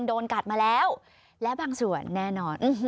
โดนกัดมาแล้วและบางส่วนแน่นอน